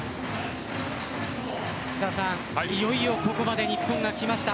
福澤さん、いよいよここまで日本がきました。